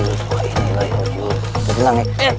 nih eh eh segera mah